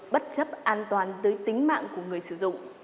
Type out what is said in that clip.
bất chấp an toàn tới tính mạng của người sử dụng